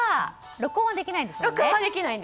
録音はできないです。